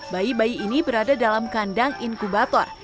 bayi bayi ini berada dalam kandang inkubator